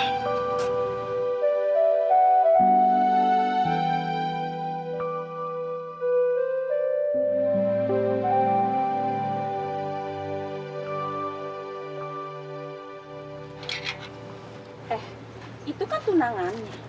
eh itu kan tunangannya